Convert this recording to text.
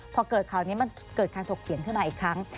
พอเกิดข่าวนี้มันเกิดการถกเถียงขึ้นมาอีกครั้ง